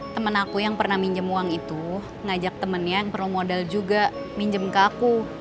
temen aku yang pernah minjem uang itu ngajak temennya yang perlu modal juga minjem ke aku